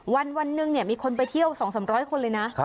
วันหนึ่งมีคนไปเที่ยว๒๓๐๐คนเลยนะ